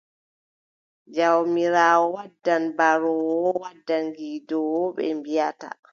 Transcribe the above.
Jawmiraawo wadda baroowo, wadda gidoowo, ɓe mbiʼata.